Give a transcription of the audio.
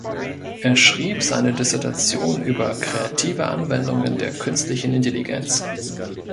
Er schrieb seine Dissertation über kreative Anwendungen der Künstlichen Intelligenz.